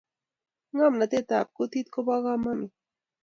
ngomnatet ap kutit kopokamanut